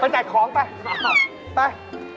ไปจัดของไป